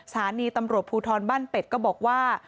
สถานีตำรวจภูทรบ้านเป็ดก็บอกว่า